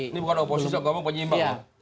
ini bukan oposisi ini pengimbang